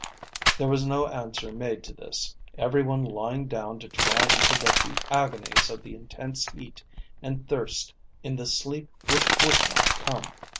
There was no answer made to this, every one lying down to try and forget the agonies of the intense heat and thirst in the sleep which would not come.